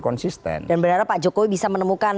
konsisten dan berharap pak jokowi bisa menemukan